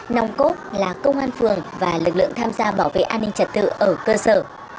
nòng cốt là công an phường và lực lượng tham gia bảo vệ an ninh trật tự ở cơ sở